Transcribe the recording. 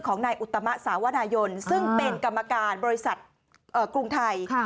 นายอุตมะสาวนายนซึ่งเป็นกรรมการบริษัทกรุงไทย